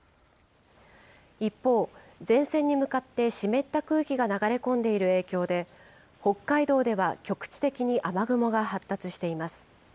一方、前線に向かって湿った空気が流れ込んでいる影響で、北海道では局地的に雨雲が発達しています。